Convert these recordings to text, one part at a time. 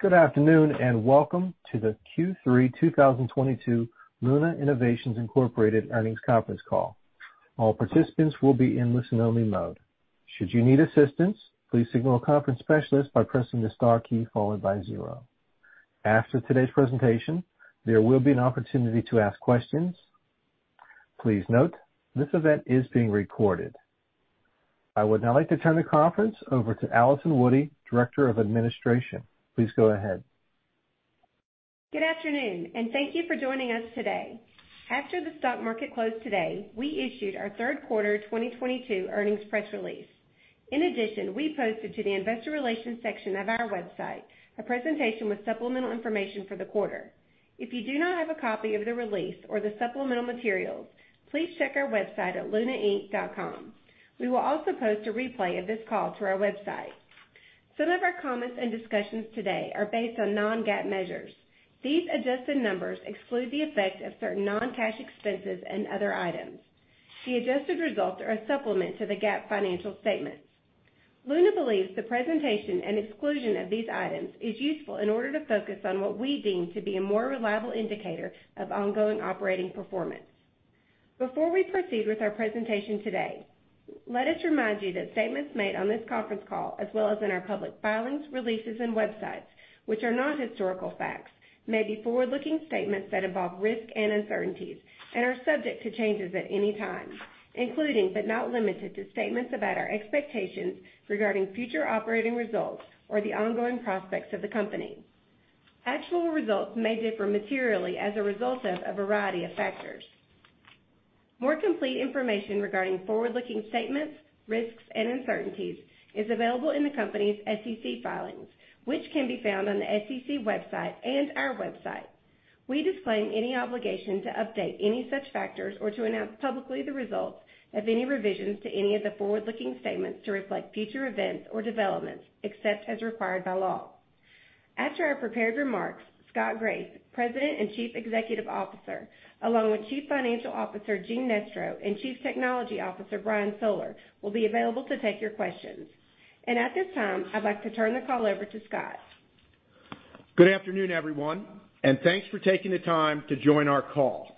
Good afternoon, and welcome to the Q3 2022 Luna Innovations Incorporated earnings conference call. All participants will be in listen-only mode. Should you need assistance, please signal a conference specialist by pressing the star key followed by zero. After today's presentation, there will be an opportunity to ask questions. Please note, this event is being recorded. I would now like to turn the conference over to Allison Woody, Director of Administration. Please go ahead. Good afternoon, and thank you for joining us today. After the stock market closed today, we issued our third quarter 2022 earnings press release. In addition, we posted to the investor relations section of our website a presentation with supplemental information for the quarter. If you do not have a copy of the release or the supplemental materials, please check our website at lunainc.com. We will also post a replay of this call to our website. Some of our comments and discussions today are based on non-GAAP measures. These adjusted numbers exclude the effect of certain non-cash expenses and other items. The adjusted results are a supplement to the GAAP financial statements. Luna believes the presentation and exclusion of these items is useful in order to focus on what we deem to be a more reliable indicator of ongoing operating performance. Before we proceed with our presentation today, let us remind you that statements made on this conference call as well as in our public filings, releases, and websites, which are not historical facts, may be forward-looking statements that involve risk and uncertainties and are subject to changes at any time, including but not limited to statements about our expectations regarding future operating results or the ongoing prospects of the company. Actual results may differ materially as a result of a variety of factors. More complete information regarding forward-looking statements, risks, and uncertainties is available in the company's SEC filings, which can be found on the SEC website and our website. We disclaim any obligation to update any such factors or to announce publicly the results of any revisions to any of the forward-looking statements to reflect future events or developments, except as required by law. After our prepared remarks, Scott Graeff, President and Chief Executive Officer, along with Chief Financial Officer Gene Nestro and Chief Technology Officer Brian Soller will be available to take your questions. At this time, I'd like to turn the call over to Scott. Good afternoon, everyone, and thanks for taking the time to join our call.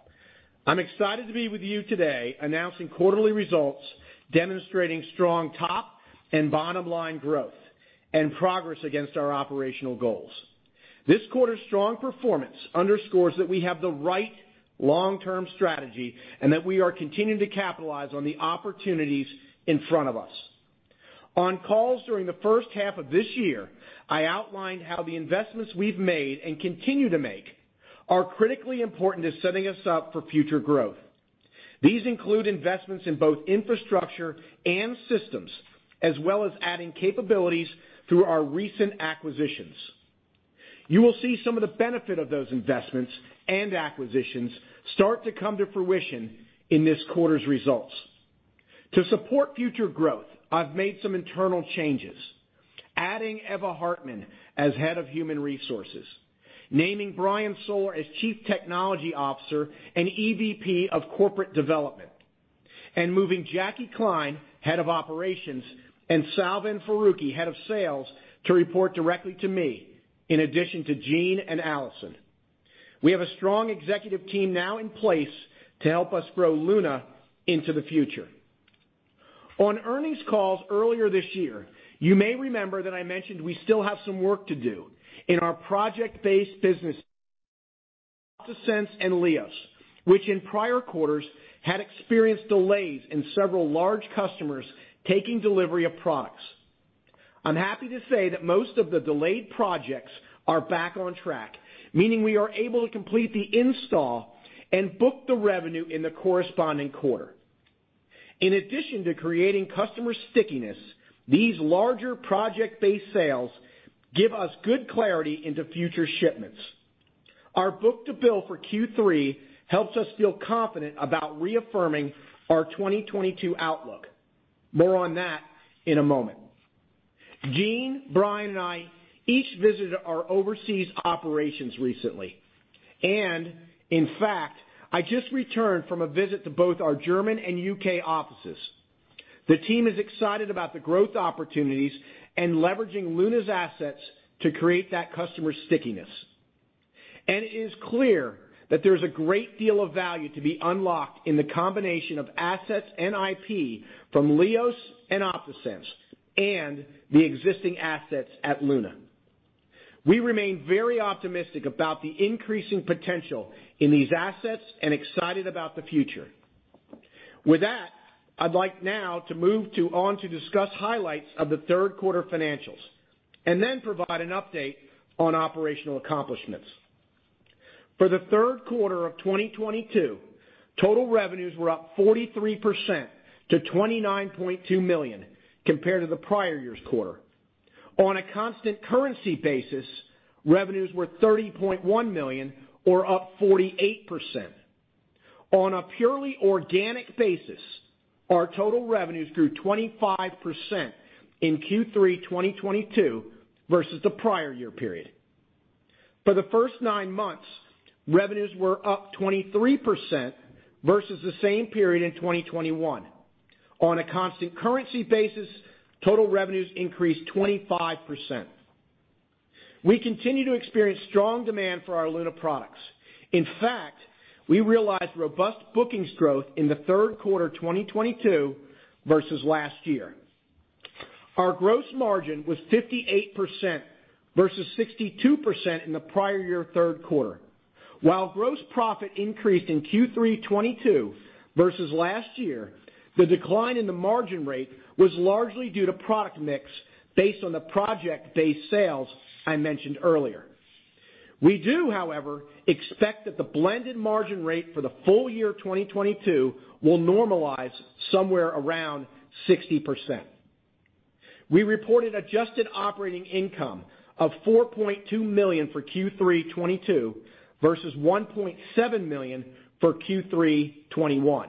I'm excited to be with you today announcing quarterly results demonstrating strong top and bottom line growth and progress against our operational goals. This quarter's strong performance underscores that we have the right long-term strategy and that we are continuing to capitalize on the opportunities in front of us. On calls during the first half of this year, I outlined how the investments we've made and continue to make are critically important to setting us up for future growth. These include investments in both infrastructure and systems, as well as adding capabilities through our recent acquisitions. You will see some of the benefit of those investments and acquisitions start to come to fruition in this quarter's results. To support future growth, I've made some internal changes, adding Eva Hartmann as Head of Human Resources, naming Brian Soller as Chief Technology Officer and EVP of Corporate Development, and moving Jackie Kline, Head of Operations, and Salvan Farooqui, Head of Sales, to report directly to me in addition to Gene and Allison. We have a strong executive team now in place to help us grow Luna into the future. On earnings calls earlier this year, you may remember that I mentioned we still have some work to do in our project-based business, OptaSense and LIOS, which in prior quarters had experienced delays in several large customers taking delivery of products. I'm happy to say that most of the delayed projects are back on track, meaning we are able to complete the install and book the revenue in the corresponding quarter. In addition to creating customer stickiness, these larger project-based sales give us good clarity into future shipments. Our book-to-bill for Q3 helps us feel confident about reaffirming our 2022 outlook. More on that in a moment. Gene, Brian, and I each visited our overseas operations recently, and in fact, I just returned from a visit to both our German and U.K. offices. The team is excited about the growth opportunities and leveraging Luna's assets to create that customer stickiness. It is clear that there's a great deal of value to be unlocked in the combination of assets and IP from LIOS and OptaSense and the existing assets at Luna. We remain very optimistic about the increasing potential in these assets and excited about the future. With that, I'd like now to move to discuss highlights of the third quarter financials and then provide an update on operational accomplishments. For the third quarter of 2022, total revenues were up 43% to $29.2 million compared to the prior year's quarter. On a constant currency basis, revenues were $30.1 million or up 48%. On a purely organic basis, our total revenues grew 25% in Q3 2022 versus the prior year period. For the first nine months, revenues were up 23% versus the same period in 2021. On a constant currency basis, total revenues increased 25%. We continue to experience strong demand for our Luna products. In fact, we realized robust bookings growth in the third quarter 2022 versus last year. Our gross margin was 58% versus 62% in the prior year third quarter. While gross profit increased in Q3 2022 versus last year, the decline in the margin rate was largely due to product mix based on the project-based sales I mentioned earlier. We do, however, expect that the blended margin rate for the full year 2022 will normalize somewhere around 60%. We reported adjusted operating income of $4.2 million for Q3 2022 versus $1.7 million for Q3 2021.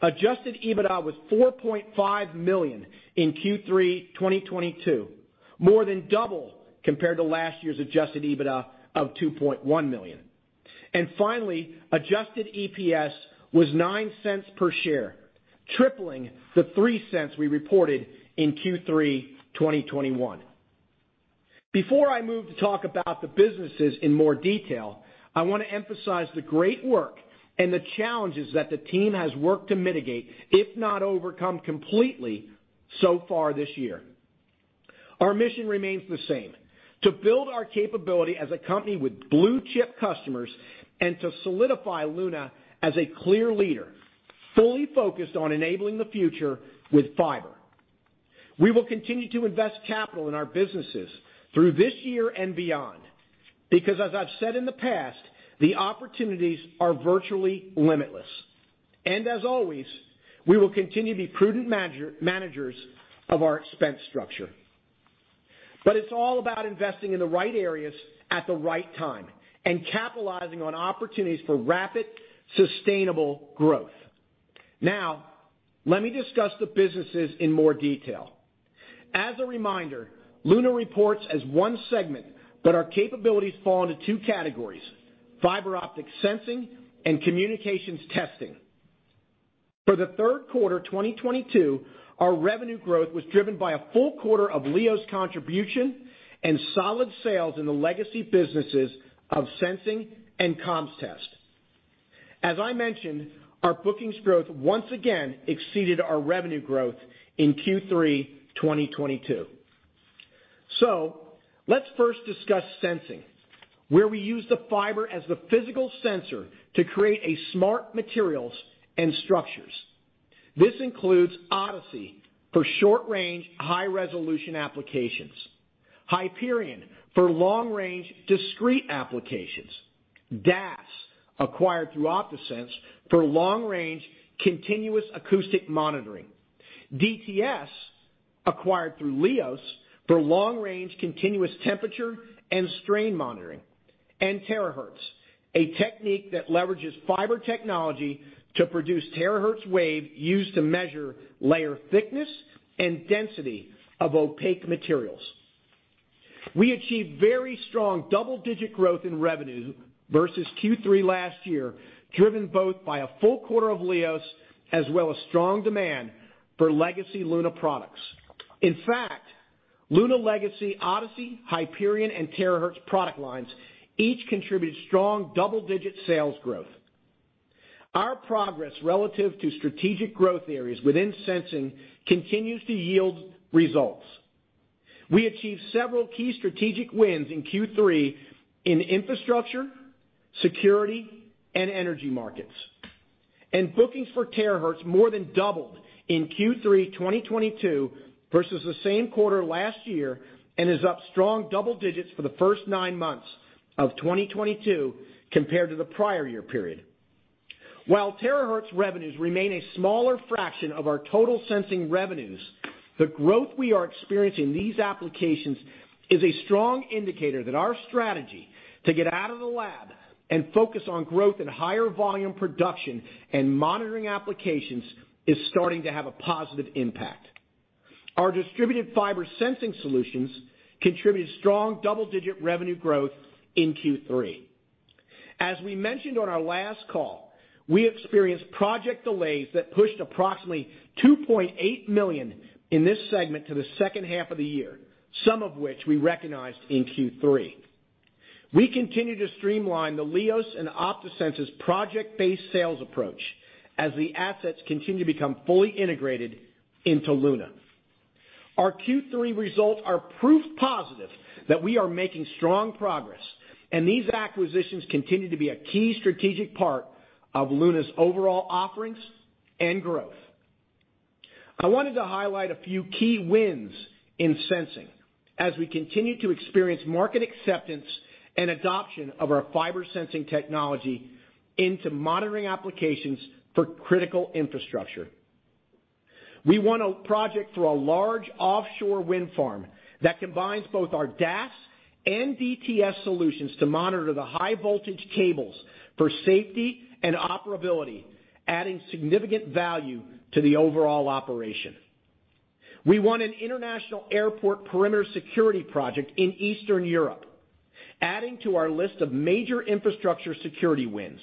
Adjusted EBITDA was $4.5 million in Q3 2022, more than double compared to last year's adjusted EBITDA of $2.1 million. Finally, adjusted EPS was $0.09 per share, tripling the $0.03 we reported in Q3 2021. Before I move to talk about the businesses in more detail, I want to emphasize the great work and the challenges that the team has worked to mitigate, if not overcome completely so far this year. Our mission remains the same, to build our capability as a company with blue-chip customers and to solidify Luna as a clear leader, fully focused on enabling the future with fiber. We will continue to invest capital in our businesses through this year and beyond, because as I've said in the past, the opportunities are virtually limitless. As always, we will continue to be prudent managers of our expense structure. It's all about investing in the right areas at the right time and capitalizing on opportunities for rapid, sustainable growth. Now, let me discuss the businesses in more detail. As a reminder, Luna reports as one segment, but our capabilities fall into two categories, fiber optic sensing and communications testing. For the third quarter 2022, our revenue growth was driven by a full quarter of LIOS contribution and solid sales in the legacy businesses of sensing and comms test. As I mentioned, our bookings growth once again exceeded our revenue growth in Q3 2022. Let's first discuss sensing, where we use the fiber as the physical sensor to create a smart materials and structures. This includes ODiSI for short-range, high-resolution applications, HYPERION for long-range, discrete applications, DAS, acquired through OptaSense, for long-range, continuous acoustic monitoring, DTS, acquired through LIOS, for long-range, continuous temperature and strain monitoring, and TeraMetrix, a technique that leverages fiber technology to produce terahertz wave used to measure layer thickness and density of opaque materials. We achieved very strong double-digit growth in revenue versus Q3 last year, driven both by a full quarter of LIOS as well as strong demand for legacy Luna products. In fact, Luna legacy ODiSI, HYPERION, and TeraMetrix product lines each contributed strong double-digit sales growth. Our progress relative to strategic growth areas within sensing continues to yield results. We achieved several key strategic wins in Q3 in infrastructure, security, and energy markets. Bookings for TeraMetrix more than doubled in Q3 2022 versus the same quarter last year and is up strong double digits for the first nine months of 2022 compared to the prior year period. While TeraMetrix revenues remain a smaller fraction of our total sensing revenues, the growth we are experiencing in these applications is a strong indicator that our strategy to get out of the lab and focus on growth and higher volume production and monitoring applications is starting to have a positive impact. Our distributed fiber sensing solutions contributed strong double-digit revenue growth in Q3. As we mentioned on our last call, we experienced project delays that pushed approximately $2.8 million in this segment to the second half of the year, some of which we recognized in Q3. We continue to streamline the LIOS and OptaSense's project-based sales approach as the assets continue to become fully integrated into Luna. Our Q3 results are proof positive that we are making strong progress, and these acquisitions continue to be a key strategic part of Luna's overall offerings and growth. I wanted to highlight a few key wins in sensing as we continue to experience market acceptance and adoption of our fiber sensing technology into monitoring applications for critical infrastructure. We won a project for a large offshore wind farm that combines both our DAS and DTS solutions to monitor the high voltage cables for safety and operability, adding significant value to the overall operation. We won an international airport perimeter security project in Eastern Europe, adding to our list of major infrastructure security wins.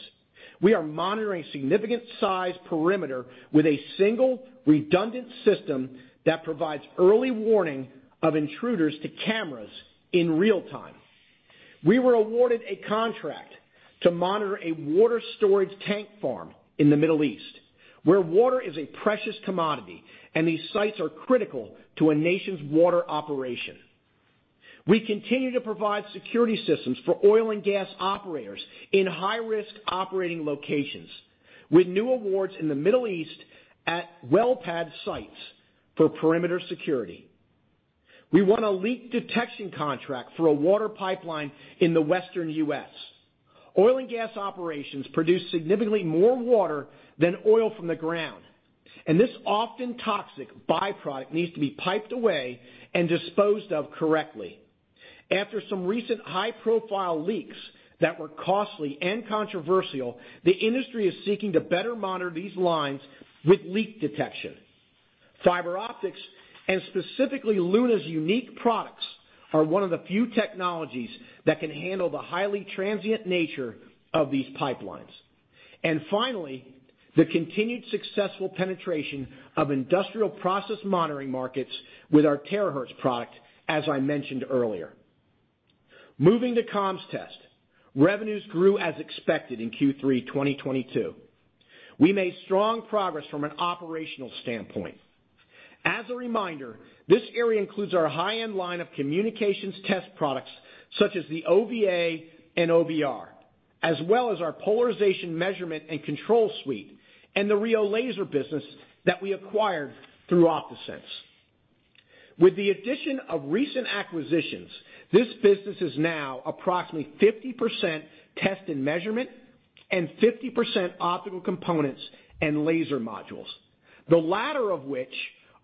We are monitoring significant size perimeter with a single redundant system that provides early warning of intruders to cameras in real time. We were awarded a contract to monitor a water storage tank farm in the Middle East, where water is a precious commodity, and these sites are critical to a nation's water operation. We continue to provide security systems for oil and gas operators in high-risk operating locations with new awards in the Middle East at well pad sites for perimeter security. We won a leak detection contract for a water pipeline in the western U.S. oil and gas operations produce significantly more water than oil from the ground, and this often toxic by-product needs to be piped away and disposed of correctly. After some recent high-profile leaks that were costly and controversial, the industry is seeking to better monitor these lines with leak detection. Fiber optics, and specifically Luna's unique products, are one of the few technologies that can handle the highly transient nature of these pipelines. Finally, the continued successful penetration of industrial process monitoring markets with our terahertz product, as I mentioned earlier. Moving to comms test. Revenues grew as expected in Q3 2022. We made strong progress from an operational standpoint. As a reminder, this area includes our high-end line of communications test products, such as the OVA and OBR, as well as our polarization measurement and control suite and the RIO Lasers business that we acquired through OptaSense. With the addition of recent acquisitions, this business is now approximately 50% test and measurement and 50% optical components and laser modules. The latter of which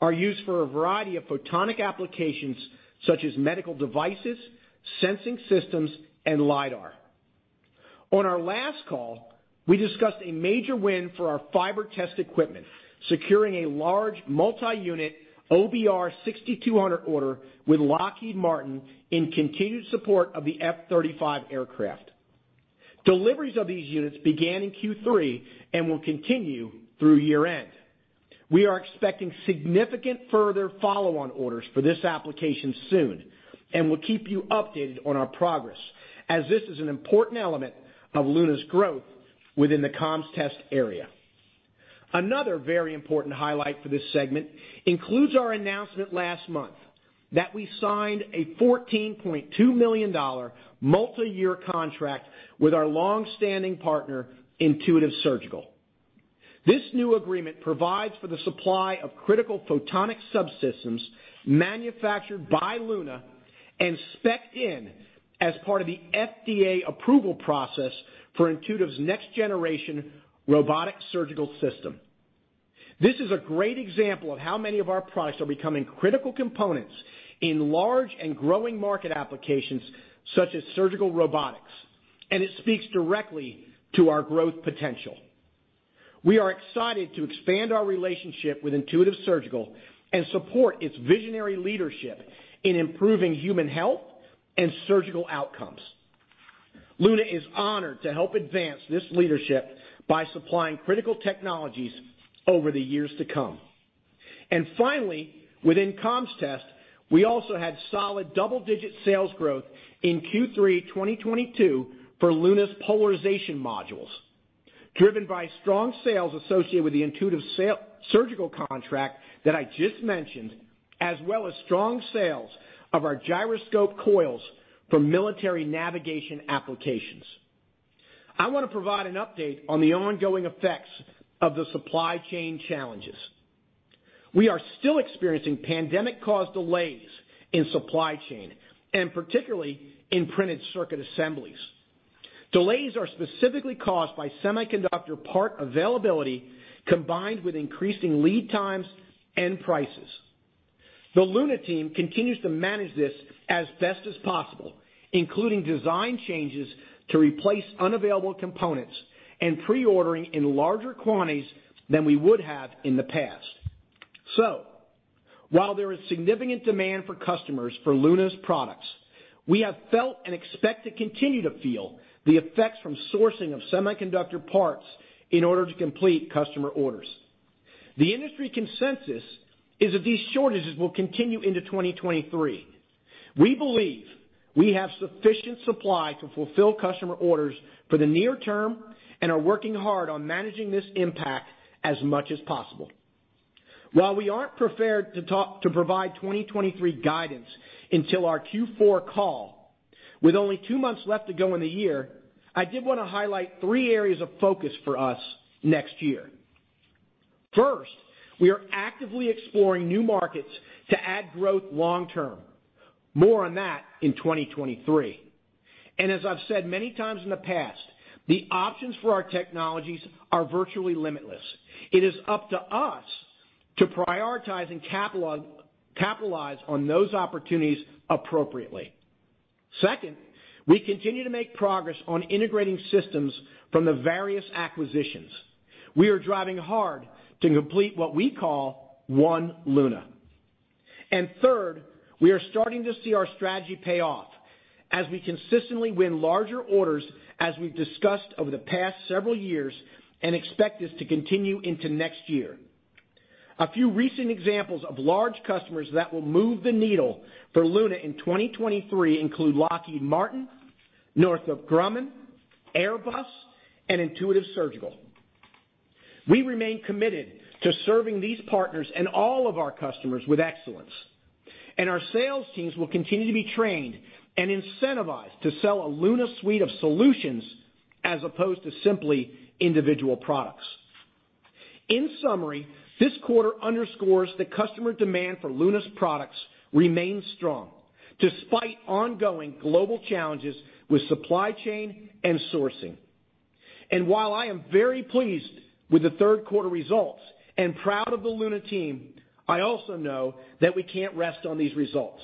are used for a variety of photonic applications such as medical devices, sensing systems, and LiDAR. On our last call, we discussed a major win for our fiber test equipment, securing a large multi-unit OBR 6200 order with Lockheed Martin in continued support of the F-35 aircraft. Deliveries of these units began in Q3 and will continue through year-end. We are expecting significant further follow-on orders for this application soon, and we'll keep you updated on our progress as this is an important element of Luna's growth within the comms test area. Another very important highlight for this segment includes our announcement last month that we signed a $14.2 million multi-year contract with our long-standing partner, Intuitive Surgical. This new agreement provides for the supply of critical photonic subsystems manufactured by Luna and spec'd in as part of the FDA approval process for Intuitive's next-generation robotic surgical system. This is a great example of how many of our products are becoming critical components in large and growing market applications such as surgical robotics, and it speaks directly to our growth potential. We are excited to expand our relationship with Intuitive Surgical and support its visionary leadership in improving human health and surgical outcomes. Luna is honored to help advance this leadership by supplying critical technologies over the years to come. Finally, within comms test, we also had solid double-digit sales growth in Q3 2022 for Luna's polarization modules, driven by strong sales associated with the Intuitive Surgical contract that I just mentioned, as well as strong sales of our FOG coils for military navigation applications. I wanna provide an update on the ongoing effects of the supply chain challenges. We are still experiencing pandemic-caused delays in supply chain, and particularly in printed circuit assemblies. Delays are specifically caused by semiconductor part availability combined with increasing lead times and prices. The Luna team continues to manage this as best as possible, including design changes to replace unavailable components and pre-ordering in larger quantities than we would have in the past. While there is significant demand for customers for Luna's products, we have felt and expect to continue to feel the effects from sourcing of semiconductor parts in order to complete customer orders. The industry consensus is that these shortages will continue into 2023. We believe we have sufficient supply to fulfill customer orders for the near term and are working hard on managing this impact as much as possible. While we aren't prepared to talk to provide 2023 guidance until our Q4 call, with only two months left to go in the year, I did wanna highlight three areas of focus for us next year. First, we are actively exploring new markets to add growth long term. More on that in 2023. As I've said many times in the past, the options for our technologies are virtually limitless. It is up to us to prioritize and capitalize on those opportunities appropriately. Second, we continue to make progress on integrating systems from the various acquisitions. We are driving hard to complete what we call One Luna. Third, we are starting to see our strategy pay off as we consistently win larger orders as we've discussed over the past several years, and expect this to continue into next year. A few recent examples of large customers that will move the needle for Luna in 2023 include Lockheed Martin, Northrop Grumman, Airbus, and Intuitive Surgical. We remain committed to serving these partners and all of our customers with excellence, and our sales teams will continue to be trained and incentivized to sell a Luna suite of solutions as opposed to simply individual products. In summary, this quarter underscores that customer demand for Luna's products remains strong despite ongoing global challenges with supply chain and sourcing. While I am very pleased with the third quarter results and proud of the Luna team, I also know that we can't rest on these results.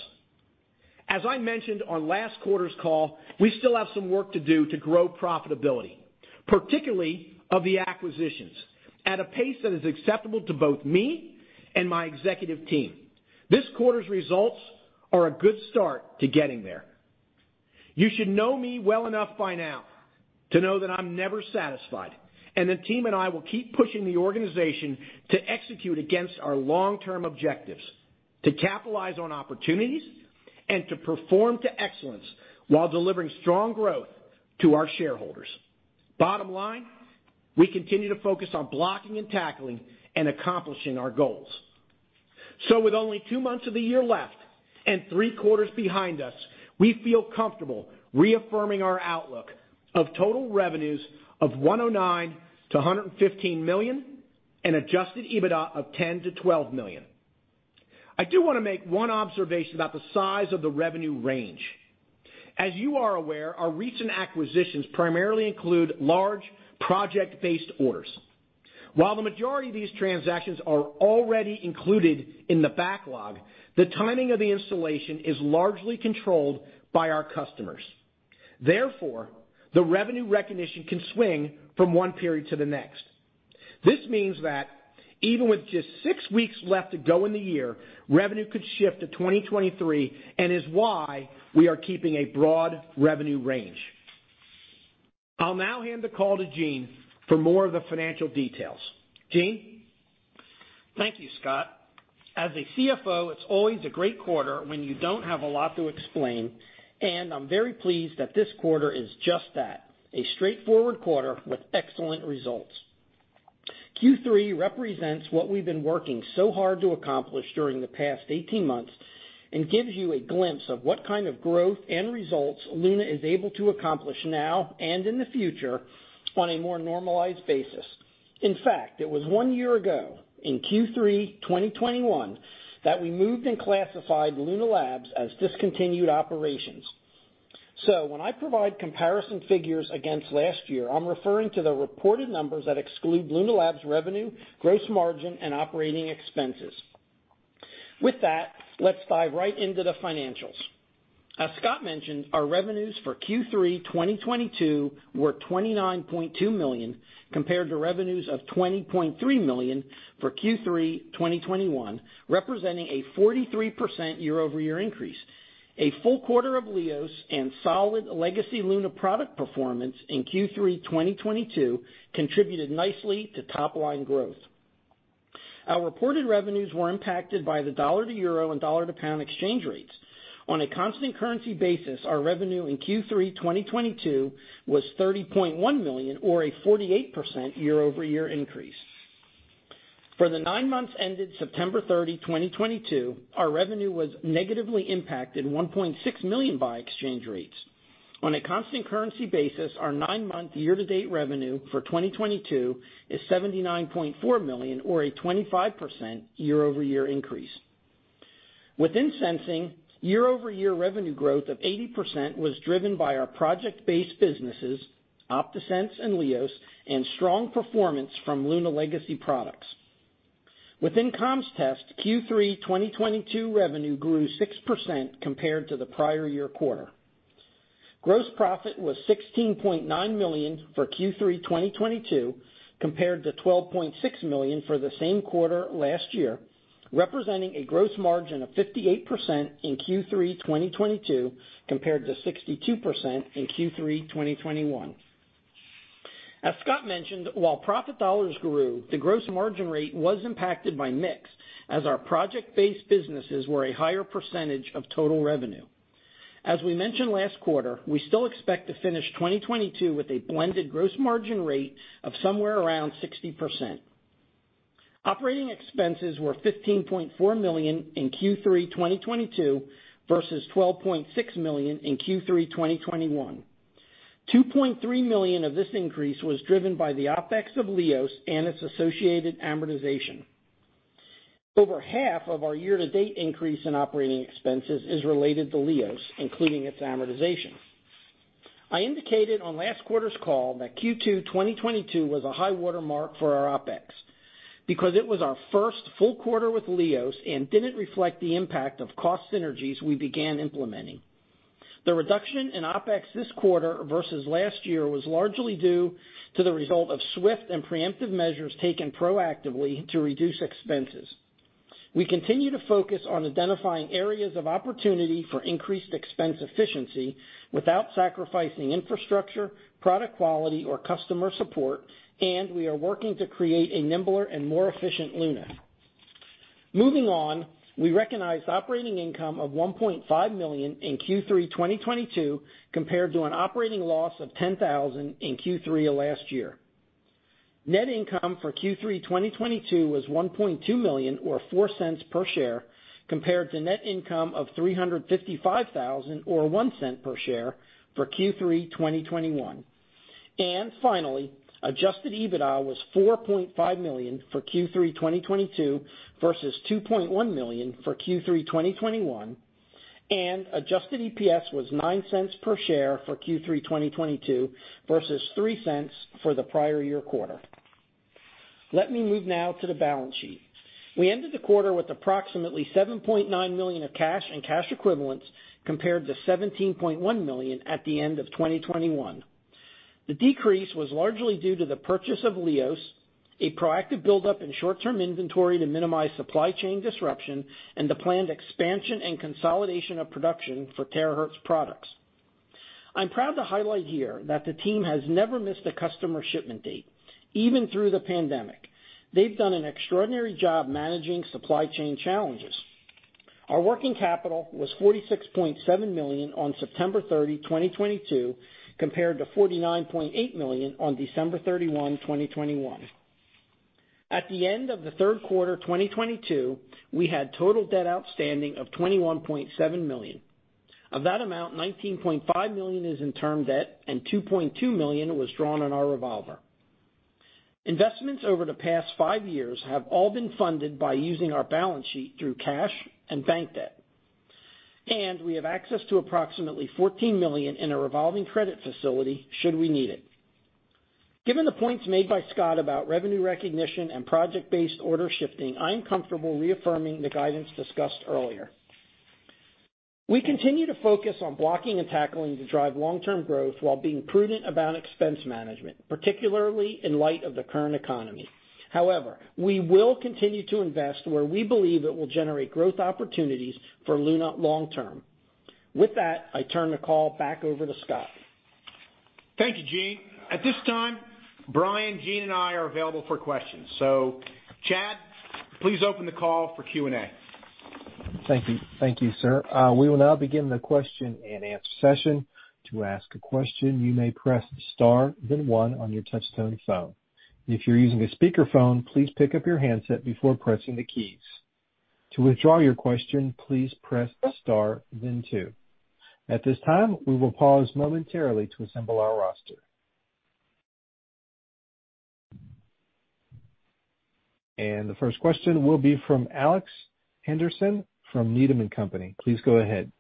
As I mentioned on last quarter's call, we still have some work to do to grow profitability, particularly of the acquisitions, at a pace that is acceptable to both me and my executive team. This quarter's results are a good start to getting there. You should know me well enough by now to know that I'm never satisfied, and the team and I will keep pushing the organization to execute against our long-term objectives, to capitalize on opportunities, and to perform to excellence while delivering strong growth to our shareholders. Bottom line, we continue to focus on blocking and tackling and accomplishing our goals. With only two months of the year left and three quarters behind us, we feel comfortable reaffirming our outlook of total revenues of $109-$115 million and adjusted EBITDA of $10 million-$12 million. I do wanna make one observation about the size of the revenue range. As you are aware, our recent acquisitions primarily include large project-based orders. While the majority of these transactions are already included in the backlog, the timing of the installation is largely controlled by our customers. Therefore, the revenue recognition can swing from one period to the next. This means that even with just six weeks left to go in the year, revenue could shift to 2023, and is why we are keeping a broad revenue range. I'll now hand the call to Gene for more of the financial details. Gene? Thank you, Scott. As a CFO, it's always a great quarter when you don't have a lot to explain, and I'm very pleased that this quarter is just that, a straightforward quarter with excellent results. Q3 represents what we've been working so hard to accomplish during the past 18 months and gives you a glimpse of what kind of growth and results Luna is able to accomplish now and in the future on a more normalized basis. In fact, it was one year ago in Q3 2021 that we moved and classified Luna Labs as discontinued operations. When I provide comparison figures against last year, I'm referring to the reported numbers that exclude Luna Labs revenue, gross margin, and operating expenses. With that, let's dive right into the financials. As Scott mentioned, our revenues for Q3 2022 were $29.2 million, compared to revenues of $20.3 million for Q3 2021, representing a 43% year-over-year increase. A full quarter of LIOS and solid legacy Luna product performance in Q3 2022 contributed nicely to top line growth. Our reported revenues were impacted by the dollar to euro and dollar to pound exchange rates. On a constant currency basis, our revenue in Q3 2022 was $30.1 million, or a 48% year-over-year increase. For the nine months ended September 30, 2022, our revenue was negatively impacted by $1.6 million by exchange rates. On a constant currency basis, our nine-month year-to-date revenue for 2022 is $79.4 million, or a 25% year-over-year increase. Within sensing, year-over-year revenue growth of 80% was driven by our project-based businesses, OptaSense and LIOS, and strong performance from Luna legacy products. Within Comms Test, Q3 2022 revenue grew 6% compared to the prior year quarter. Gross profit was $16.9 million for Q3 2022, compared to $12.6 million for the same quarter last year, representing a gross margin of 58% in Q3 2022, compared to 62% in Q3 2021. As Scott mentioned, while profit dollars grew, the gross margin rate was impacted by mix, as our project-based businesses were a higher percentage of total revenue. As we mentioned last quarter, we still expect to finish 2022 with a blended gross margin rate of somewhere around 60%. Operating expenses were $15.4 million in Q3 2022 versus $12.6 million in Q3 2021. $2.3 million of this increase was driven by the OpEx of LIOS and its associated amortization. Over half of our year-to-date increase in operating expenses is related to LIOS, including its amortization. I indicated on last quarter's call that Q2 2022 was a high water mark for our OpEx because it was our first full quarter with LIOS and didn't reflect the impact of cost synergies we began implementing. The reduction in OpEx this quarter versus last year was largely due to the result of swift and preemptive measures taken proactively to reduce expenses. We continue to focus on identifying areas of opportunity for increased expense efficiency without sacrificing infrastructure, product quality, or customer support, and we are working to create a nimbler and more efficient Luna. Moving on. We recognized operating income of $1.5 million in Q3 2022 compared to an operating loss of $10,000 in Q3 of last year. Net income for Q3 2022 was $1.2 million or $0.04 per share compared to net income of $355,000 or $0.01 per share for Q3 2021. Finally, adjusted EBITDA was $4.5 million for Q3 2022 versus $2.1 million for Q3 2021. Adjusted EPS was $0.09 per share for Q3 2022 versus $0.03 for the prior year quarter. Let me move now to the balance sheet. We ended the quarter with approximately $7.9 million of cash and cash equivalents compared to $17.1 million at the end of 2021. The decrease was largely due to the purchase of LIOS, a proactive buildup in short-term inventory to minimize supply chain disruption, and the planned expansion and consolidation of production for TeraMetrix products. I'm proud to highlight here that the team has never missed a customer shipment date, even through the pandemic. They've done an extraordinary job managing supply chain challenges. Our working capital was $46.7 million on September 30, 2022, compared to $49.8 million on December 31, 2021. At the end of the third quarter 2022, we had total debt outstanding of $21.7 million. Of that amount, $19.5 million is in term debt, and $2.2 million was drawn on our revolver. Investments over the past five years have all been funded by using our balance sheet through cash and bank debt. We have access to approximately $14 million in a revolving credit facility should we need it. Given the points made by Scott about revenue recognition and project-based order shifting, I am comfortable reaffirming the guidance discussed earlier. We continue to focus on blocking and tackling to drive long-term growth while being prudent about expense management, particularly in light of the current economy. However, we will continue to invest where we believe it will generate growth opportunities for Luna long term. With that, I turn the call back over to Scott. Thank you, Gene. At this time, Brian, Gene, and I are available for questions. Chad, please open the call for Q&A. Thank you. Thank you, sir. We will now begin the question-and-answer session. To ask a question, you may press star, then one on your touch-tone phone. If you're using a speakerphone, please pick up your handset before pressing the keys. To withdraw your question, please press star then two. At this time, we will pause momentarily to assemble our roster. The first question will be from Alex Henderson from Needham & Company. Please go ahead.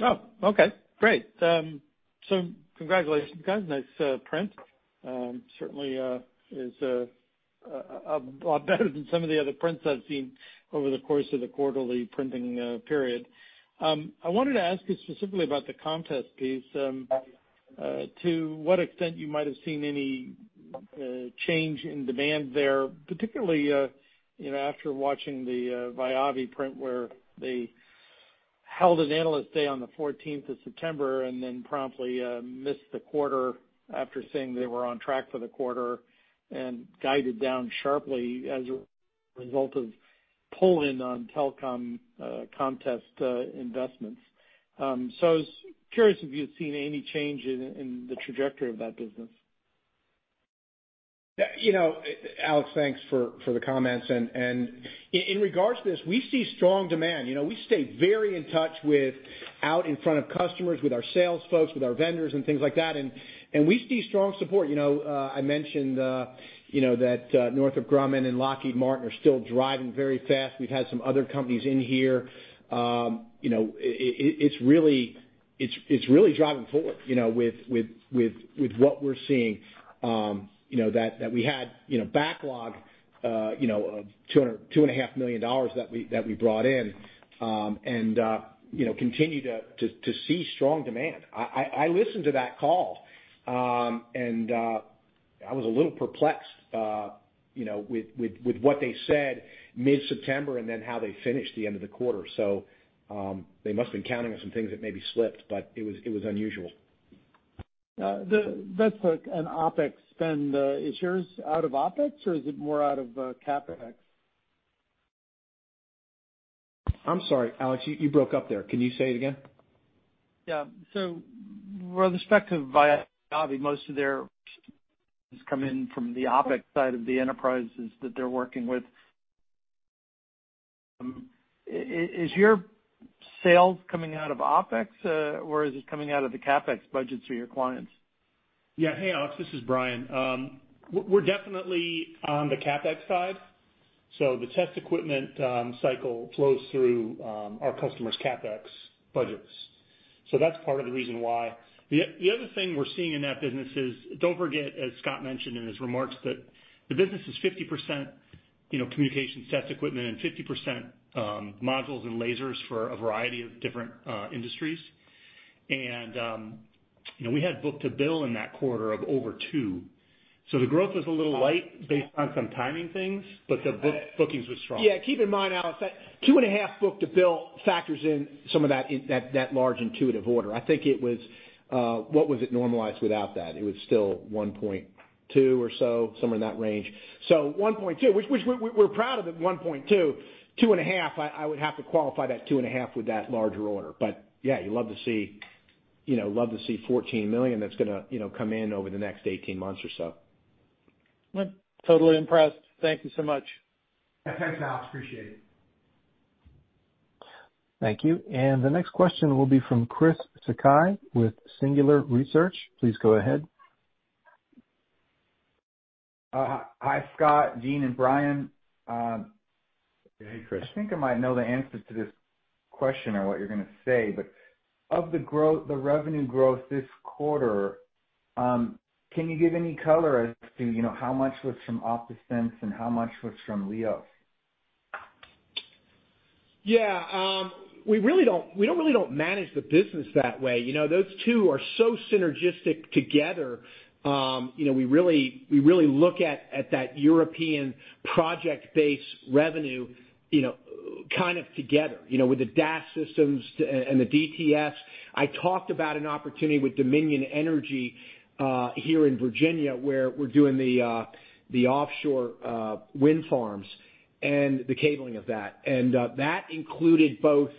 Oh, okay. Great. Congratulations, guys. Nice print. Certainly is a lot better than some of the other prints I've seen over the course of the quarterly printing period. I wanted to ask you specifically about the comms test piece. To what extent you might have seen any change in demand there, particularly, you know, after watching the VIAVI print where they held an analyst day on the 14th of September, and then promptly missed the quarter after saying they were on track for the quarter and guided down sharply as a result of pull-in on telecom comms test investments. I was curious if you had seen any change in the trajectory of that business. Yeah. You know, Alex, thanks for the comments. In regards to this, we see strong demand. You know, we stay very in touch, out in front of customers, with our sales folks, with our vendors and things like that. We see strong support. You know, I mentioned, you know, that Northrop Grumman and Lockheed Martin are still driving very fast. We've had some other companies in here. You know, it's really driving forward, you know, with what we're seeing, you know, that we had, you know, backlog of $202.5 million that we brought in, and, you know, continue to see strong demand. I listened to that call, and I was a little perplexed, you know, with what they said mid-September and then how they finished the end of the quarter. They must've been counting on some things that maybe slipped, but it was unusual. That's like an OpEx spend. Is yours out of OpEx or is it more out of CapEx? I'm sorry, Alex, you broke up there. Can you say it again? Yeah. With respect to VIAVI, most of their sales come in from the OpEx side of the enterprises that they're working with. Is your sales coming out of OpEx, or is this coming out of the CapEx budgets for your clients? Yeah. Hey, Alex, this is Brian. We're definitely on the CapEx side, so the test equipment cycle flows through our customers' CapEx budgets. That's part of the reason why. The other thing we're seeing in that business is don't forget, as Scott mentioned in his remarks, that the business is 50%, you know, communications test equipment and 50%, modules and lasers for a variety of different industries. You know, we had book-to-bill in that quarter of over 2. The growth was a little light based on some timing things, but the bookings was strong. Yeah. Keep in mind, Alex, that 2.5 book-to-bill factors in some of that large Intuitive order. I think it was, what was it normalized without that? It was still 1.2 or so, somewhere in that range. 1.2, which we are proud of it, 1.2. 2.5, I would have to qualify that 2.5 with that larger order. Yeah, you love to see, you know, love to see $14 million that's gonna, you know, come in over the next 18 months or so. Well, totally impressed. Thank you so much. Yeah. Thanks, Alex. Appreciate it. Thank you. The next question will be from Chris Sakai with Singular Research. Please go ahead. Hi, Scott, Gene, and Brian. Hey, Chris. I think I might know the answer to this question or what you're gonna say, but of the revenue growth this quarter, can you give any color as to, you know, how much was from OptaSense and how much was from LIOS? Yeah. We really don't really don't manage the business that way. You know, those two are so synergistic together, you know, we really look at that European project-based revenue, you know, kind of together, you know, with the DAS systems and the DTS. I talked about an opportunity with Dominion Energy here in Virginia, where we're doing the offshore wind farms and the cabling of that. That included both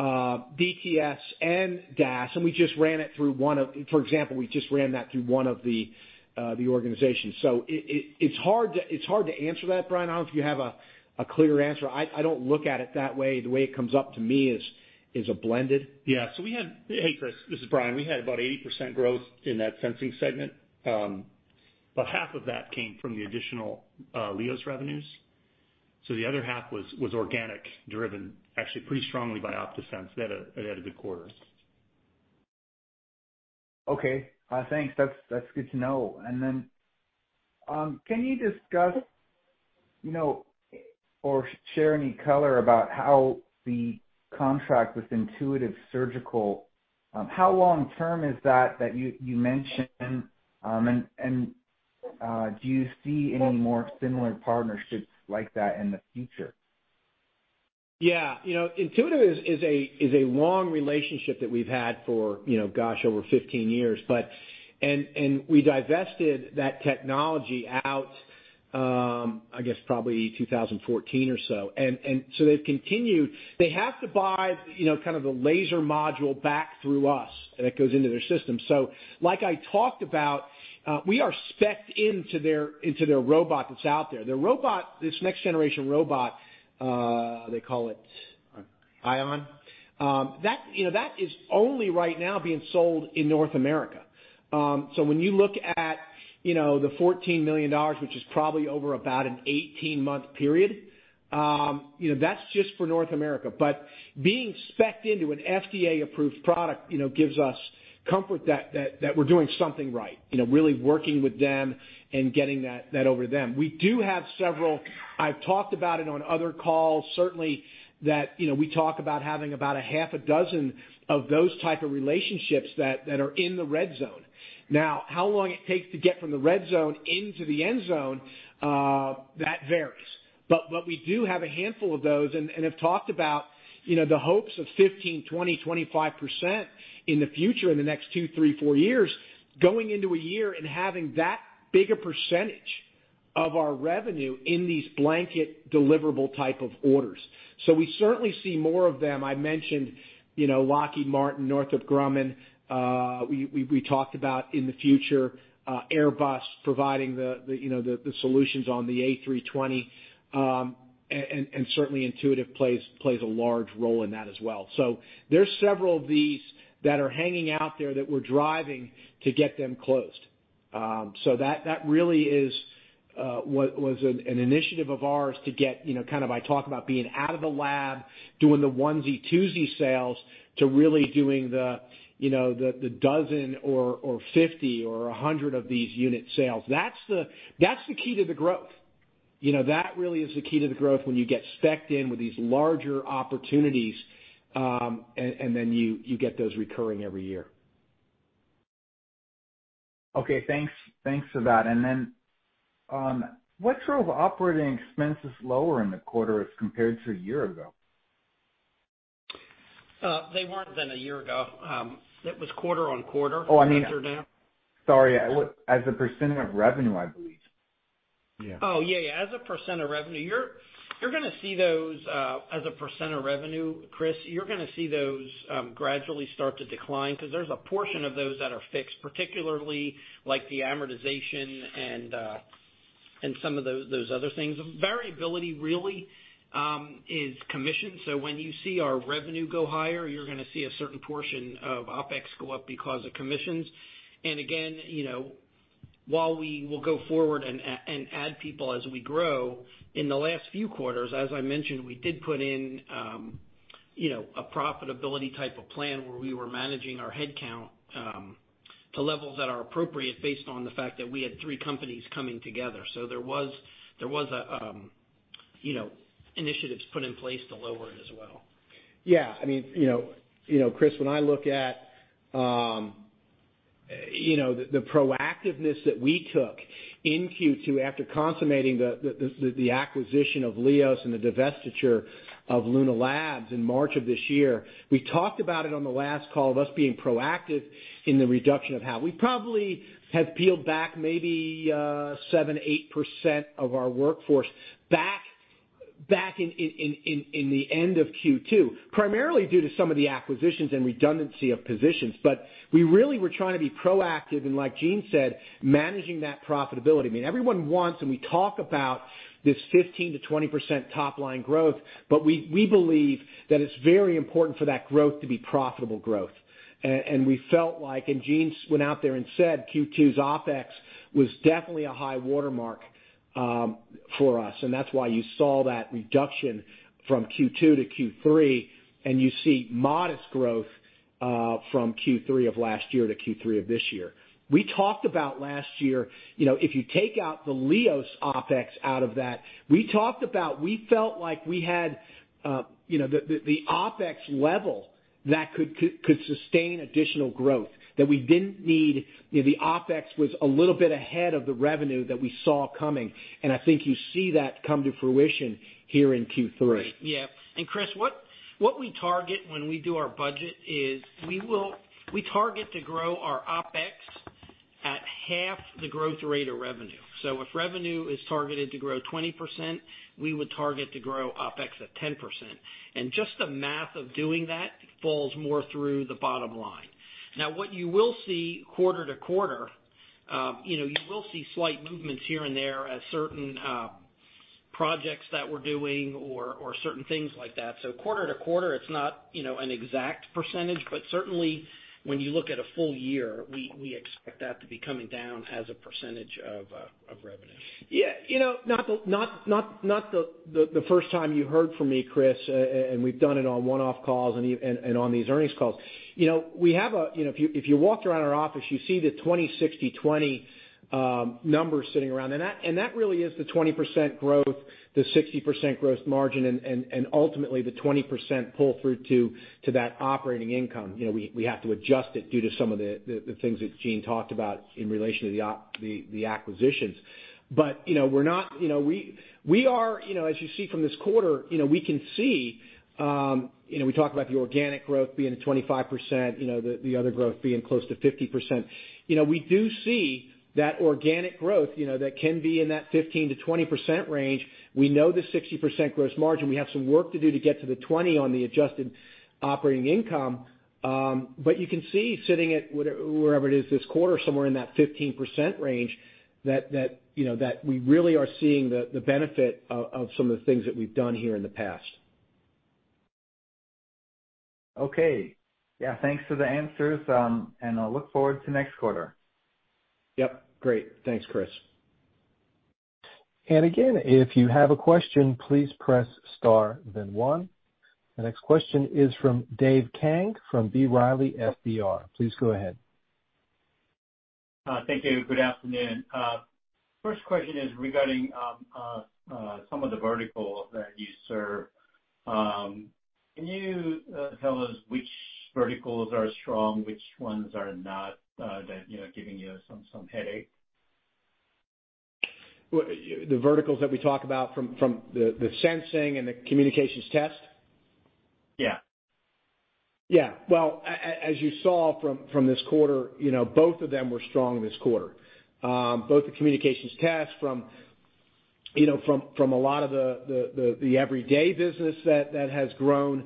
DTS and DAS, and we just ran it through one of the organizations. For example, we just ran that through one of the organizations. So it's hard to answer that, Brian. I don't know if you have a clear answer. I don't look at it that way. The way it comes up to me is a blended. Yeah. Hey, Chris, this is Brian. We had about 80% growth in that sensing segment, but half of that came from the additional LIOS revenues. The other half was organic driven actually pretty strongly by OptaSense. They had a good quarter. Okay. Thanks. That's good to know. Can you discuss, you know, or share any color about how the contract with Intuitive Surgical, how long term is that you mentioned, and do you see any more similar partnerships like that in the future? Yeah. You know, Intuitive is a long relationship that we've had for, you know, gosh, over 15 years. We divested that technology out, I guess, probably 2014 or so. They've continued. They have to buy, you know, kind of the laser module back through us, and it goes into their system. Like I talked about, we are spec'd into their robot that's out there. Their robot, this next generation robot, they call it Ion. That is only right now being sold in North America. When you look at, you know, the $14 million, which is probably over about an 18-month period, you know, that's just for North America. Being spec'd into an FDA-approved product, you know, gives us comfort that we're doing something right, you know, really working with them and getting that over them. We do have several. I've talked about it on other calls, certainly, that, you know, we talk about having about a half a dozen of those type of relationships that are in the red zone. Now, how long it takes to get from the red zone into the end zone, that varies. We do have a handful of those and have talked about, you know, the hopes of 15%, 20%, 25% in the future, in the next two, three, four years, going into a year and having that big a percentage of our revenue in these blanket deliverable type of orders. We certainly see more of them. I mentioned, you know, Lockheed Martin, Northrop Grumman, we talked about in the future, Airbus providing the solutions on the A320. And certainly Intuitive plays a large role in that as well. There's several of these that are hanging out there that we're driving to get them closed. That really is what was an initiative of ours to get, you know, kind of I talk about being out of the lab, doing the onesie-twosie sales to really doing the dozen or 50 or 100 of these unit sales. That's the key to the growth. You know, that really is the key to the growth, when you get spec'd in with these larger opportunities, and then you get those recurring every year. Okay, thanks. Thanks for that. What drove operating expenses lower in the quarter as compared to a year ago? They weren't then a year ago. It was quarter-over-quarter- Oh, I mean. -quarter down. Sorry. As a percent of revenue, I believe. Yeah. Yeah. As a percent of revenue, Chris, you're gonna see those gradually start to decline because there's a portion of those that are fixed, particularly like the amortization and some of those other things. Variability really is commission. So when you see our revenue go higher, you're gonna see a certain portion of OpEx go up because of commissions. Again, you know, while we will go forward and add people as we grow, in the last few quarters, as I mentioned, we did put in, you know, a profitability type of plan where we were managing our head count to levels that are appropriate based on the fact that we had three companies coming together. There was a, you know, initiatives put in place to lower it as well. Yeah. I mean, you know, Chris, when I look at the proactiveness that we took in Q2 after consummating the acquisition of LIOS and the divestiture of Luna Labs in March of this year, we talked about it on the last call, us being proactive in the reduction of how we probably have peeled back maybe 7%-8% of our workforce back in the end of Q2, primarily due to some of the acquisitions and redundancy of positions. We really were trying to be proactive, and like Gene said, managing that profitability. I mean, everyone wants, and we talk about this 15%-20% top line growth, but we believe that it's very important for that growth to be profitable growth. We felt like Gene went out there and said Q2's OpEx was definitely a high watermark for us, and that's why you saw that reduction from Q2 to Q3, and you see modest growth from Q3 of last year to Q3 of this year. We talked about last year, you know, if you take out the LIOS OpEx out of that. We talked about we felt like we had, you know, the OpEx level that could sustain additional growth, that we didn't need. You know, the OpEx was a little bit ahead of the revenue that we saw coming, and I think you see that come to fruition here in Q3. Right. Yeah. Chris, what we target when we do our budget is we target to grow our OpEx at half the growth rate of revenue. If revenue is targeted to grow 20%, we would target to grow OpEx at 10%. Just the math of doing that falls more through the bottom line. Now, what you will see quarter to quarter, you will see slight movements here and there as certain projects that we're doing or certain things like that. Quarter to quarter, it's not an exact percentage, but certainly when you look at a full year, we expect that to be coming down as a percentage of revenue. Yeah. You know, not the first time you heard from me, Chris, and we've done it on one-off calls and on these earnings calls. You know, if you walked around our office, you see the 20/60/20 numbers sitting around, and that really is the 20% growth, the 60% gross margin, and ultimately, the 20% pull through to that operating income. You know, we have to adjust it due to some of the things that Gene talked about in relation to the OpEx, the acquisitions. You know, we're not. You know, we are, you know, as you see from this quarter, you know, we can see, you know, we talk about the organic growth being at 25%, you know, the other growth being close to 50%. You know, we do see that organic growth, you know, that can be in that 15%-20% range. We know the 60% gross margin. We have some work to do to get to the 20 on the adjusted operating income. But you can see sitting at wherever it is this quarter, somewhere in that 15% range, that you know, that we really are seeing the benefit of some of the things that we've done here in the past. Okay. Yeah, thanks for the answers, and I'll look forward to next quarter. Yep. Great. Thanks, Chris. Again, if you have a question, please press star then one. The next question is from Dave Kang from B. Riley FBR. Please go ahead. Thank you. Good afternoon. First question is regarding some of the verticals that you serve. Can you tell us which verticals are strong, which ones are not, that you know are giving you some headache? Well, the verticals that we talk about from the sensing and the communications test? Yeah. Yeah. Well, as you saw from this quarter, you know, both of them were strong this quarter. Both the communications test from, you know, from a lot of the everyday business that has grown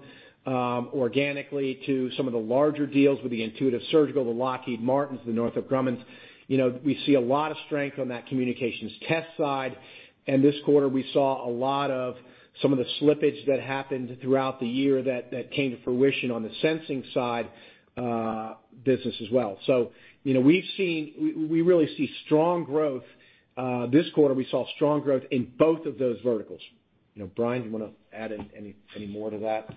organically to some of the larger deals with the Intuitive Surgical, the Lockheed Martin, the Northrop Grumman. You know, we see a lot of strength on that communications test side. This quarter, we saw a lot of some of the slippage that happened throughout the year that came to fruition on the sensing side business as well. You know, we really see strong growth. This quarter, we saw strong growth in both of those verticals. You know, Brian, you wanna add any more to that-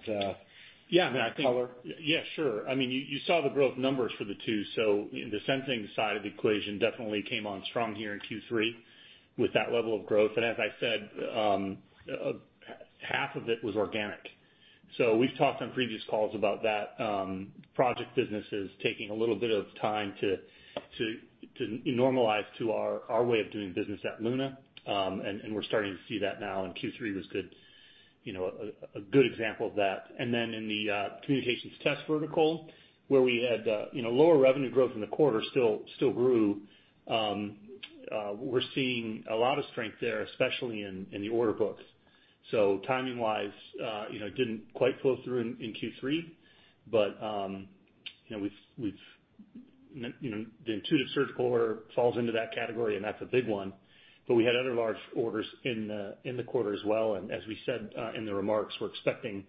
Yeah. -color? Yeah, sure. I mean, you saw the growth numbers for the two. The sensing side of the equation definitely came on strong here in Q3 with that level of growth. As I said, half of it was organic. We've talked on previous calls about that. Project business is taking a little bit of time to normalize to our way of doing business at Luna, and we're starting to see that now, and Q3 was good, you know, a good example of that. Then in the communications test vertical, where we had, you know, lower revenue growth in the quarter, still grew. We're seeing a lot of strength there, especially in the order books. Timing-wise, you know, didn't quite flow through in Q3, but, you know, we've The Intuitive Surgical order falls into that category, and that's a big one. We had other large orders in the quarter as well. As we said in the remarks, we're expecting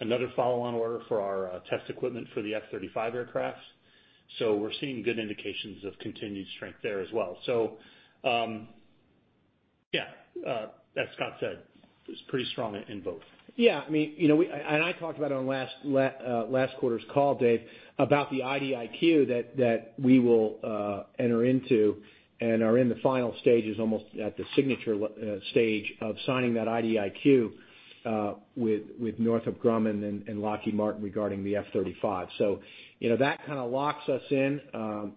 another follow-on order for our test equipment for the F-35 aircraft. We're seeing good indications of continued strength there as well. Yeah, as Scott said, it's pretty strong in both. I mean, you know, I talked about it on last quarter's call, Dave, about the IDIQ that we will enter into and are in the final stages, almost at the signature stage of signing that IDIQ with Northrop Grumman and Lockheed Martin regarding the F-35. You know, that kinda locks us in.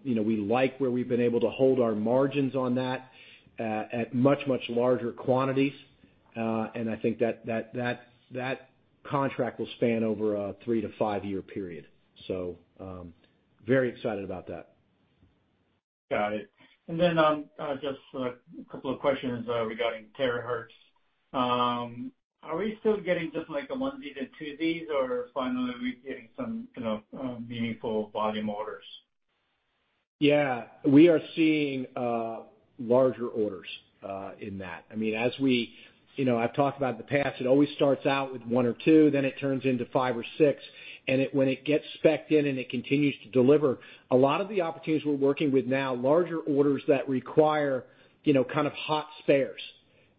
You know, we like where we've been able to hold our margins on that at much larger quantities. I think that contract will span over a three to five year period. Very excited about that. Got it. Just a couple of questions regarding terahertz. Are we still getting just, like, the one Z to two Zs, or finally are we getting some, you know, meaningful volume orders? Yeah. We are seeing larger orders in that. I mean, you know, I've talked about in the past, it always starts out with one or two, then it turns into five or six. When it gets spec'd in and it continues to deliver, a lot of the opportunities we're working with now, larger orders that require, you know, kind of hot spares.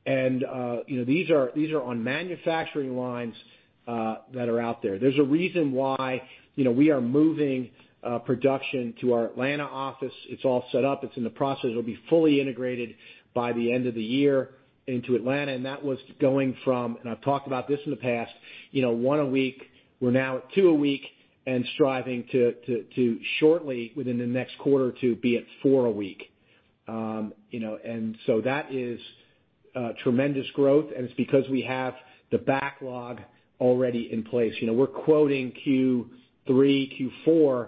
You know, these are on manufacturing lines that are out there. There's a reason why, you know, we are moving production to our Atlanta office. It's all set up. It's in the process. It'll be fully integrated by the end of the year into Atlanta. That was going from, and I've talked about this in the past, you know, one a week. We're now at two a week and striving to shortly, within the next quarter or two, be at four a week. You know, that is tremendous growth, and it's because we have the backlog already in place. You know, we're quoting Q3, Q4,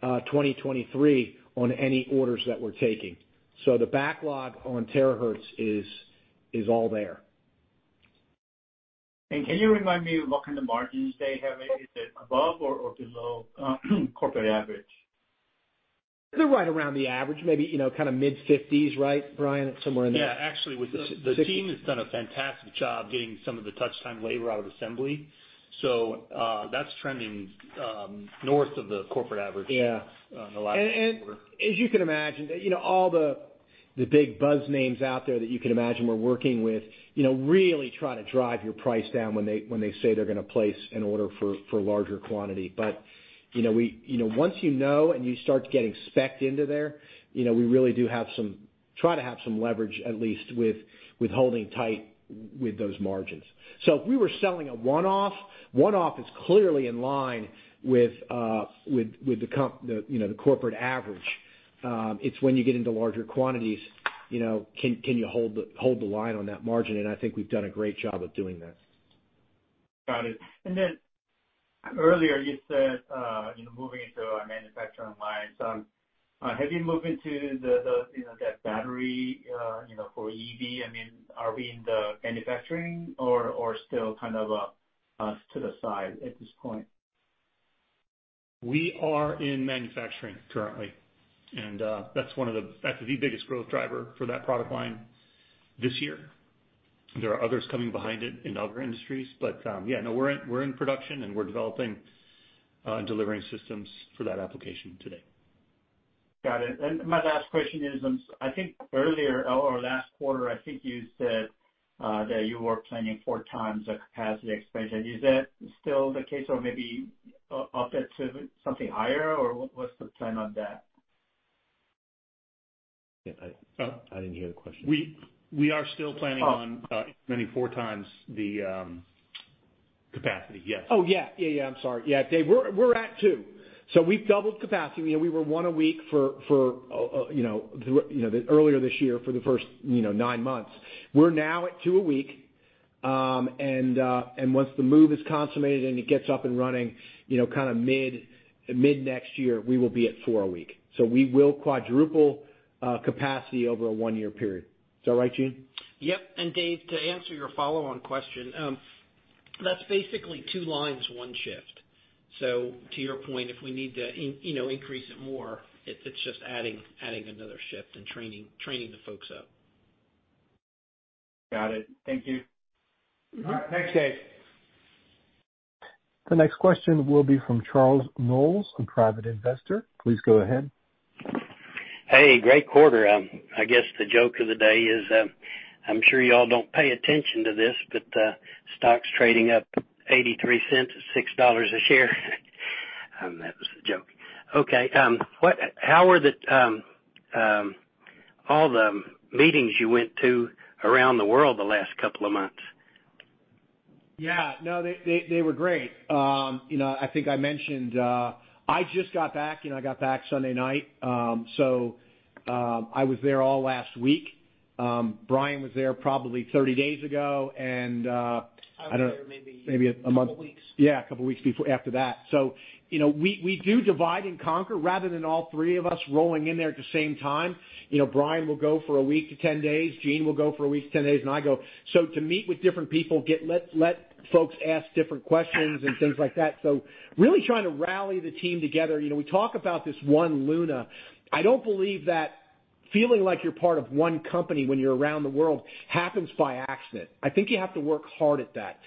2023 on any orders that we're taking. The backlog on terahertz is all there. Can you remind me what kind of margins they have? Is it above or below corporate average? They're right around the average, maybe, you know, kinda mid-50s, right, Brian? Somewhere in there. Yeah. Actually, with the- Sixties -the team has done a fantastic job getting some of the touch time labor out of assembly. That's trending north of the corporate average- Yeah -in the last quarter. As you can imagine, you know, all the big buzz names out there that you can imagine we're working with, you know, really try to drive your price down when they say they're gonna place an order for larger quantity. You know, once you know and you start getting spec'd into there, you know, we really do have some leverage, at least with holding tight with those margins. If we were selling a one-off, one-off is clearly in line with the corporate average. It's when you get into larger quantities, you know, can you hold the line on that margin? I think we've done a great job of doing that. Got it. Earlier you said, you know, moving into our manufacturing lines. Have you moved into the you know, that battery, you know, for EV? I mean, are we in the manufacturing or still kind of us to the side at this point? We are in manufacturing currently, and that's the biggest growth driver for that product line this year. There are others coming behind it in other industries. We're in production, and we're developing, delivering systems for that application today. Got it. My last question is, I think earlier or last quarter, I think you said that you were planning four times the capacity expansion. Is that still the case or maybe up it to something higher, or what's the plan on that? Yeah. I didn't hear the question. We are still planning on running 4x the capacity. Yes. Oh, yeah. I'm sorry. Yeah. Dave, we're at 2, so we've doubled capacity. You know, we were 1 a week through earlier this year for the first nine months. We're now at 2 a week. Once the move is consummated and it gets up and running, you know, kind of mid next year, we will be at 4 a week. So we will quadruple capacity over a one-year period. Is that right, Gene? Yep. Dave, to answer your follow-on question, that's basically two lines, one shift. To your point, if we need to, you know, increase it more, it's just adding another shift and training the folks up. Got it. Thank you. Mm-hmm. All right. Thanks, Dave. The next question will be from Charles Knowles, a private investor. Please go ahead. Hey, great quarter. I guess the joke of the day is, I'm sure y'all don't pay attention to this, but stock's trading up $0.83 at $6 a share. That was the joke. Okay, how were all the meetings you went to around the world the last couple of months? Yeah. No, they were great. You know, I think I mentioned, I just got back. You know, I got back Sunday night. I was there all last week. Brian was there probably 30 days ago, and, I don't- I was there maybe- Maybe a month- -a couple weeks. Yeah, a couple weeks before after that. You know, we do divide and conquer rather than all three of us rolling in there at the same time. You know, Brian will go for a week to 10 days, Gene will go for a week to 10 days, and I go. To meet with different people, get let folks ask different questions and things like that. Really trying to rally the team together. You know, we talk about this One Luna. I don't believe that feeling like you're part of one company when you're around the world happens by accident. I think you have to work hard at that.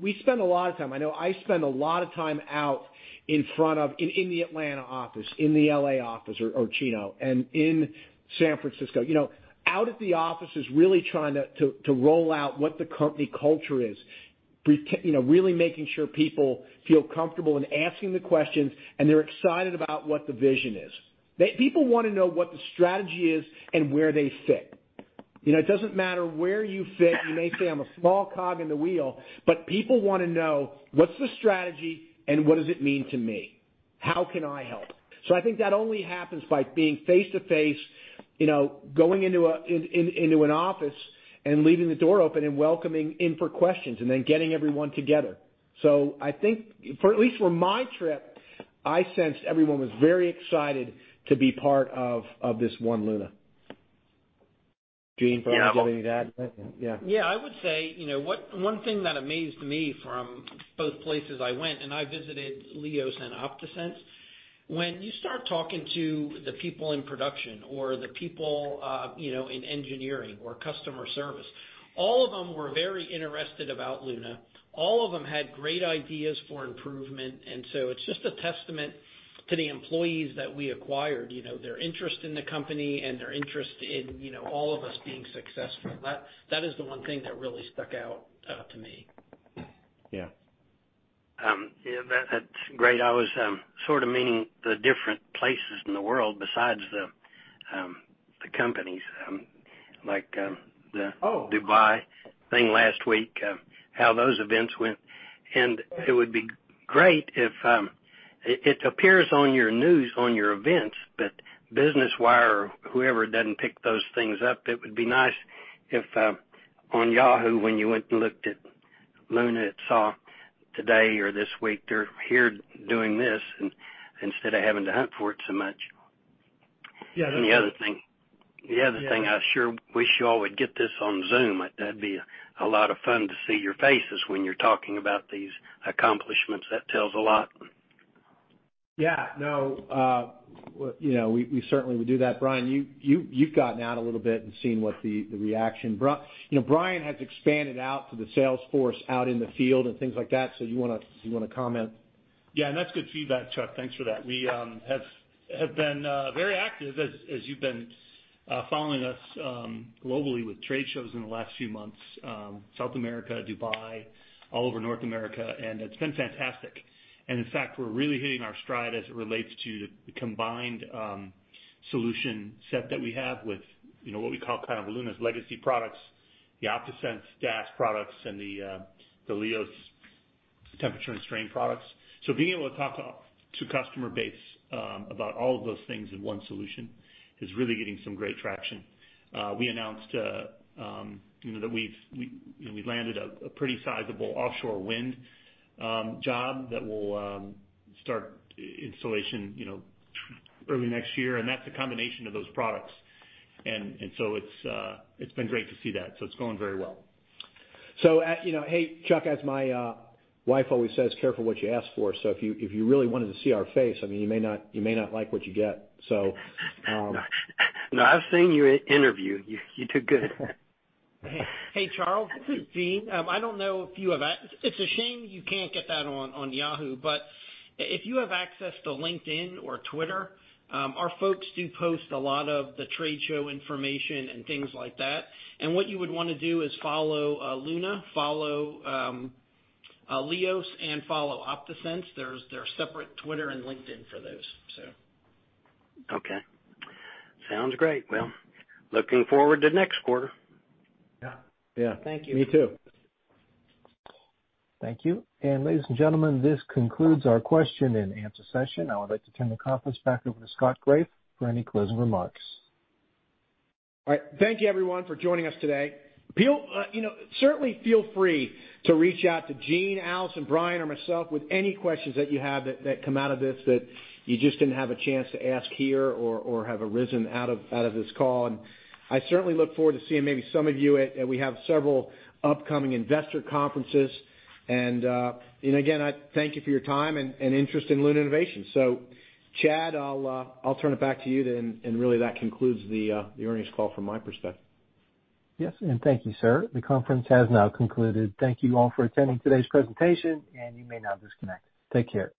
We spend a lot of time. I know I spend a lot of time out in front of in the Atlanta office, in the L.A. office or Chino and in San Francisco. You know, out at the offices, really trying to roll out what the company culture is. You know, really making sure people feel comfortable in asking the questions, and they're excited about what the vision is. People wanna know what the strategy is and where they fit. You know, it doesn't matter where you fit. You may say, "I'm a small cog in the wheel," but people wanna know, "What's the strategy and what does it mean to me? How can I help?" I think that only happens by being face to face, you know, going into an office and leaving the door open and welcoming in for questions, and then getting everyone together. I think for at least for my trip, I sensed everyone was very excited to be part of this One Luna. Gene, do you have anything to add to that? Yeah. Yeah. I would say, you know, one thing that amazed me from both places I went, and I visited LIOS and OptaSense. When you start talking to the people in production or the people, you know, in engineering or customer service, all of them were very interested about Luna. All of them had great ideas for improvement, and so it's just a testament to the employees that we acquired, you know, their interest in the company and their interest in, you know, all of us being successful. That is the one thing that really stuck out to me. Yeah. Yeah, that's great. I was sort of meaning the different places in the world besides the companies, like Oh. Dubai thing last week, how those events went. It would be great if it appears on your news on your events, but Business Wire or whoever doesn't pick those things up. It would be nice if, on Yahoo, when you went and looked at Luna, it saw today or this week they're here doing this, instead of having to hunt for it so much. Yeah. The other thing I sure wish y'all would get this on Zoom. That'd be a lot of fun to see your faces when you're talking about these accomplishments. That tells a lot. Yeah. No. Well, you know, we certainly will do that. Brian, you've gotten out a little bit and seen what the reaction. You know, Brian has expanded out to the sales force out in the field and things like that. Do you wanna comment? Yeah. That's good feedback, Chuck. Thanks for that. We have been very active as you've been following us globally with trade shows in the last few months, South America, Dubai, all over North America, and it's been fantastic. In fact, we're really hitting our stride as it relates to the combined solution set that we have with, you know, what we call kind of Luna's legacy products, the OptaSense DAS products and the LIOS temperature and strain products. Being able to talk to customer base about all of those things in one solution is really getting some great traction. We announced, you know, that we landed a pretty sizable offshore wind job that will start installation, you know, early next year, and that's a combination of those products. It's been great to see that. It's going very well. You know, hey, Chuck, as my wife always says, "Careful what you ask for." If you really wanted to see our face, I mean, you may not like what you get. No, I've seen you interview. You did good. Hey, Charles, this is Gene. I don't know if you have. It's a shame you can't get that on Yahoo. But if you have access to LinkedIn or Twitter, our folks do post a lot of the trade show information and things like that. What you would wanna do is follow Luna, follow LIOS, and follow OptaSense. They're separate Twitter and LinkedIn for those, so. Okay. Sounds great. Well, looking forward to next quarter. Yeah. Yeah. Thank you. Me too. Thank you. Ladies and gentlemen, this concludes our question and answer session. I would like to turn the conference back over to Scott Graeff for any closing remarks. All right. Thank you everyone for joining us today. You know, certainly feel free to reach out to Gene, Alice, and Brian, or myself with any questions that you have that come out of this that you just didn't have a chance to ask here or have arisen out of this call. I certainly look forward to seeing maybe some of you. We have several upcoming investor conferences. Again, I thank you for your time and interest in Luna Innovations. Chad, I'll turn it back to you then, and really that concludes the earnings call from my perspective. Yes. Thank you, sir. The conference has now concluded. Thank you all for attending today's presentation, and you may now disconnect. Take care.